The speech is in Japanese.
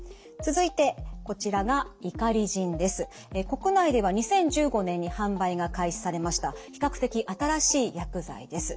国内では２０１５年に販売が開始されました比較的新しい薬剤です。